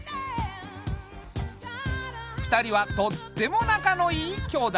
２人はとってもなかのいい兄妹。